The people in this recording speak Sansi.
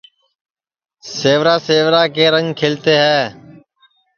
سیورا سیورا کے رنگ کھلتے ہے